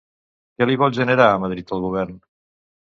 Què li vol generar a Madrid el govern?